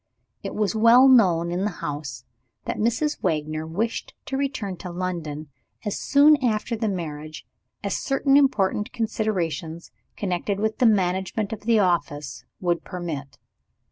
It was well known in the house that Mrs. Wagner wished to return to London, as soon after the marriage as certain important considerations connected with the management of the office would permit.